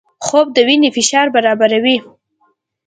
خوب د وینې فشار برابروي